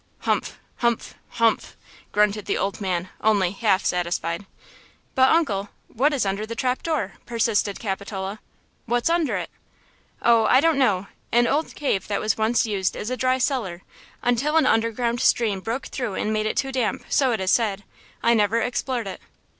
"Humph! humph! humph!" grunted the old man, only half satisfied. "But, uncle, what is under the trap door?" persisted Capitola; "what's under it?" "Oh, I don't know–an old cave that was once used as a dry cellar until an underground stream broke through and made it too damp, so it is said. I never explored it."